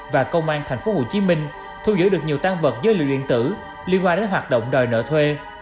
và công an tp hcm thu giữ được nhiều tăng vật dưới lượng điện tử liên quan đến hoạt động đòi nợ thuê